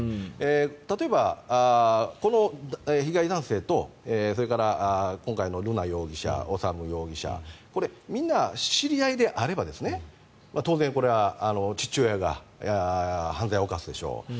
例えばこの被害男性とそれから今回の瑠奈容疑者修容疑者これ、みんな知り合いであれば当然、父親が犯罪を犯すでしょう。